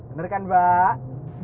bener kan mbak